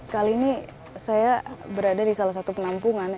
kali ini saya berada di salah satu penampungan